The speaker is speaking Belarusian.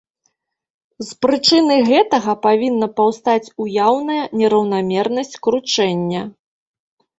З прычыны гэтага павінна паўстаць уяўная нераўнамернасць кручэння.